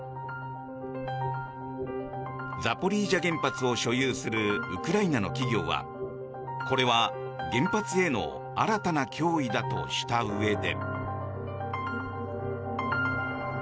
ザポリージャ原発を所有するウクライナの企業はこれは原発への新たな脅威だとしたうえで。